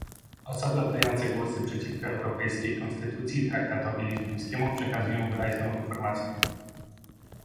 Osoby oddające głosy przeciwko europejskiej konstytucji i traktatowi lizbońskiemu przekazują wyraźną informację